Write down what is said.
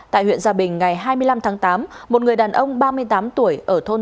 tại huyện gia bình ngày hai mươi năm tháng tám một người đàn ông ba mươi tám tuổi